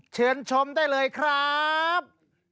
เชิญชมได้เลยครับ